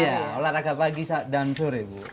iya olahraga pagi dan sore bu